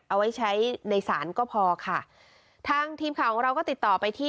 เอาไว้ใช้ในศาลก็พอค่ะทางทีมข่าวของเราก็ติดต่อไปที่